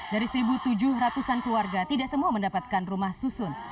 dari satu tujuh ratus an keluarga tidak semua mendapatkan rumah susun